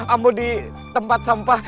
ambo di tempat sampah